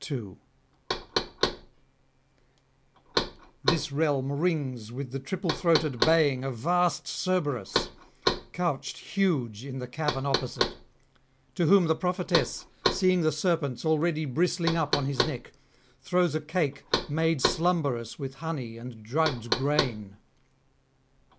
This realm rings with the triple throated baying of vast Cerberus, couched huge in the cavern opposite; to whom the prophetess, seeing the serpents already bristling up on his neck, throws a cake made slumberous with honey and drugged grain.